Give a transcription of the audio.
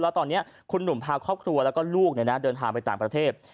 แล้วตอนนี้คุณหนุ่มพาครอบครัวแล้วก็ลูกเดินทางไปต่างประเทศ